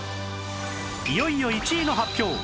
いよいよ１位の発表！